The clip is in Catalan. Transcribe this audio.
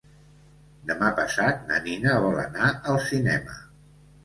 Demà passat na Nina vol anar al cinema.